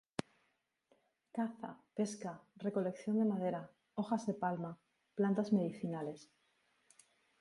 Caza, pesca, recolección de madera, hojas de palma, plantas medicinales.